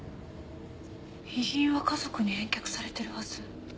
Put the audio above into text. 遺品は家族に返却されてるはず。